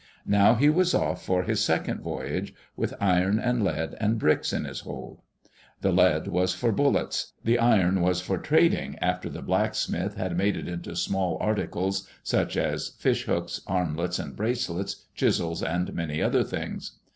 Now he was off for his second voyage, with iron and lead and bricks in his hold. The lead was for bullets. The iron was for trading, after the blacksmith had made it into small articles such as fishhooks, armlets and bracelets, chisels, and many other things.